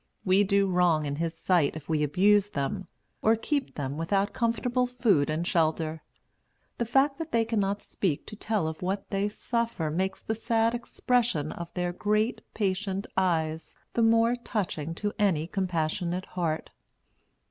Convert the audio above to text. We do wrong in his sight if we abuse them, or keep them without comfortable food and shelter. The fact that they cannot speak to tell of what they suffer makes the sad expression of their great patient eyes the more touching to any compassionate heart.